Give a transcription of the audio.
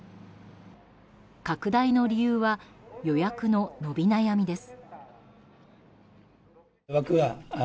拡大の理由は予約の伸び悩みです。